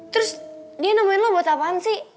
terus dia nemenin lo buat apaan sih